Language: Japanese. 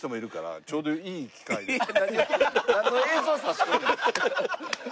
なんの映像差し込んで。